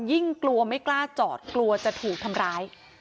ยิ่งกลัวไม่กล้าจอดกลัวจะถูกทำร้าย